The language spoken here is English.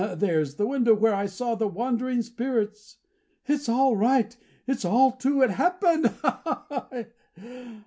There's the window where I saw the wandering Spirits! It's all right, it's all true, it all happened. Ha, ha, ha!"